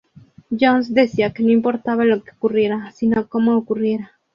Jones decía que no importaba lo que ocurriera, sino como ocurriera.